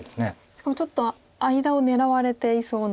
しかもちょっと間を狙われていそうな。